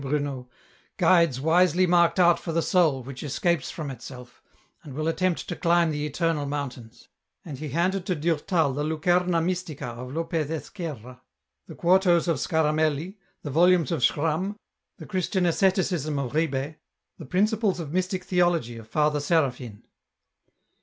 Bruno, " guides wisely marked out for the soul which escapes from itself, and will attempt to climb the eternal mountains," and he handed to Durtal the " Lucerna Mystica " of Lopez Ezquerra, the quartos of Scaramelli, the volumes of Schram, the " Christian Asceticism " of Ribet, the *' Principles of Mystic Theology " of Father Seraphin.